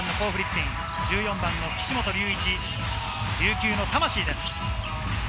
１４番・岸本隆一、琉球の魂です。